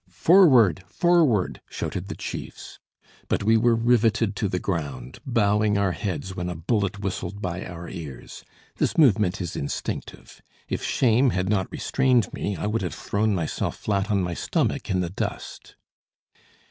"Forward, forward!" shouted the chiefs. But we were riveted to the ground, bowing our heads when a bullet whistled by our ears. This movement is instinctive; if shame had not restrained me, I would have thrown myself flat on my stomach in the dust.